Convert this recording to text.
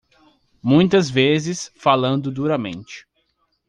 Muitas vezes falando duramente